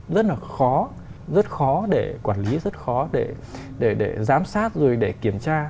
rất là khó rất khó để quản lý rất khó để giám sát rồi để kiểm tra